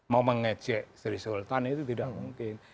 mau mengejek sri sultan itu tidak mungkin